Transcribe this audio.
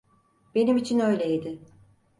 Benim için öyleydi.